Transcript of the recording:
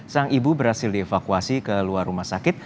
sang ibu berhasil dievakuasi ke luar rumah sakit